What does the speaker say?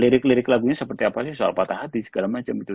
lirik lirik lagunya seperti apa sih soal patah hati segala macam itu